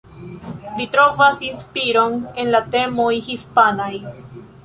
Li trovas inspiron en la temoj hispanaj.